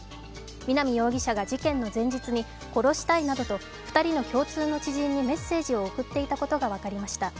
南容疑者が事件の前日に殺したいなどと２人の共通の知人にメッセージを送っていたことが分かりました。